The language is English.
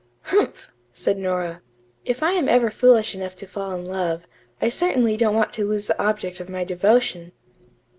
'" "Humph!" said Nora. "If I am ever foolish enough to fall in love, I certainly don't want to lose the object of my devotion."